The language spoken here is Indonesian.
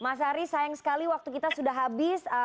mas aris sayang sekali waktu kita sudah habis